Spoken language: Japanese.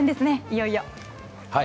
いよいよ。